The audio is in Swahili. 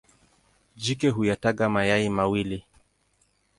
Jike huyataga mayai mawili.